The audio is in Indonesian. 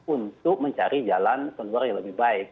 untuk mencari jalan keluar yang lebih baik